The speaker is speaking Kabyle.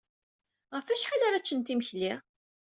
Ɣef wacḥal ara ččent imekli?